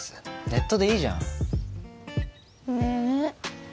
ネットでいいじゃんねえ